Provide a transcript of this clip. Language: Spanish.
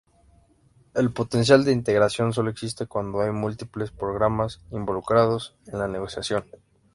El potencial de integración solo existe cuando hay múltiples problemas involucrados en la negociación.